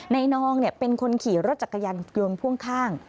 น้องเป็นคนขี่รถจักรยานยนต์พ่วงข้าง